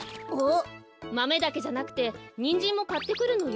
マメだけじゃなくてニンジンもかってくるのよ。